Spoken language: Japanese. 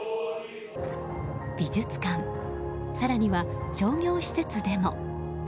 美術館、更には商業施設でも。